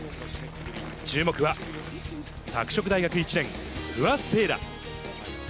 注目は拓殖大学１年、不破聖衣来。